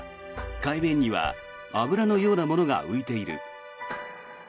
海面には油のようなものが浮いている。